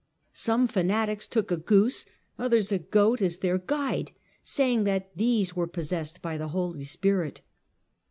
Some fanatics took a goose, others a goat, as their guide, "saying that these were possessed by the Holy Spirit."